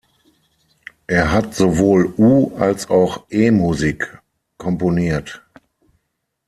Er hat sowohl U- als auch E-Musik komponiert.